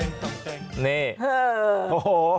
นายใหญ่